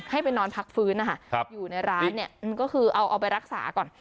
ให้ไปนอนพักฟื้นนะคะอยู่ในร้านเนี่ยก็คือเอาไปรักษาก่อน